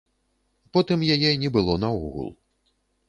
Потым яе не было наогул.